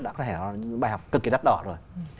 đó là bài học cực kỳ đắt đỏ rồi